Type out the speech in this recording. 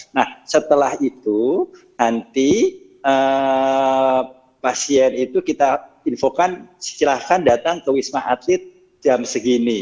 nah setelah itu nanti pasien itu kita infokan silahkan datang ke wisma atlet jam segini